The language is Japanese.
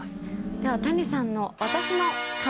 では谷さんの「私の」。